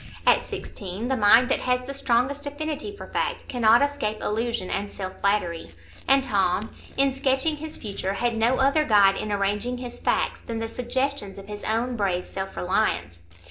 At sixteen, the mind that has the strongest affinity for fact cannot escape illusion and self flattery; and Tom, in sketching his future, had no other guide in arranging his facts than the suggestions of his own brave self reliance.